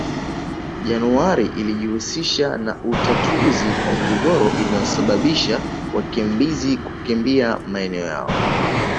January alijihusisha na utatuzi wa migogoro inayosabababisha wakimbizi kukimbia maeneo yao